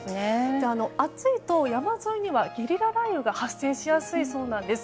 暑いと、山沿いにはゲリラ雷雨が発生しやすいそうなんです。